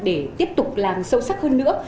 để tiếp tục làm sâu sắc hơn nữa